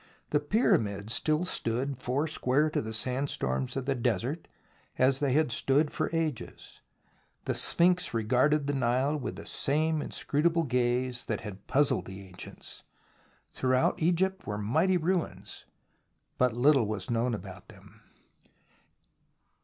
The Pyramids still stood four square to the sandstorms of the desert as they had stood for ages, the Sphinx regarded the Nile with the same inscrutable gaze that had puzzled the ancients. Throughout Egypt were mighty ruins, but little was known about them.